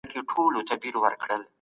هغه د خیبر درې ته لاړ.